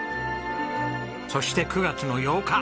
そして９月の８日。